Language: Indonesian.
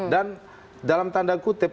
dan dalam tanda kutip